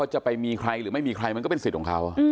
จะไปมีใครหรือไม่มีใครมันก็เป็นสิทธิ์ของเขา